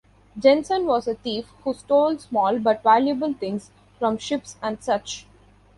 Jensen was a thief who stole small, but valuable things from ships and such.